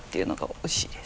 おいしいです。